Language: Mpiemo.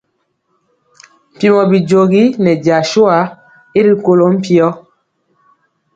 Mpiemɔ bijogi nɛ jasua y rikolɔ mpio.